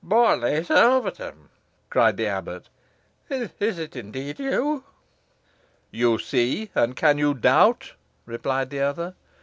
"Borlace Alvetham!" cried the abbot. "Is it, indeed, you?" "You see, and can you doubt?" replied the other.